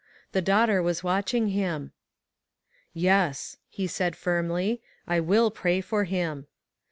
The daughter was watching him. " Yes," he said firmly, " I will pray for him."